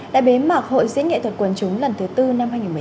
đã bế mạc hội diễn nghệ thuật quần chúng lần thứ bốn năm hai nghìn một mươi chín